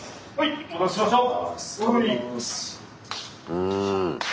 うん。